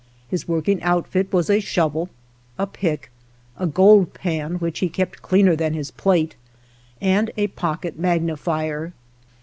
His working outfit was a shovel, a pick, a gold pan which he kept cleaner than his plate, and a pocket mag nifier.